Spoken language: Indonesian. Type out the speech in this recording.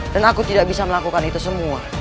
dan aku tidak bisa melakukan itu semua